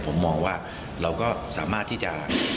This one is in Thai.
ผมมองว่าเราก็สามารถที่จะ